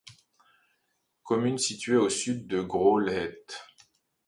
Commune située au sud de Graulhet.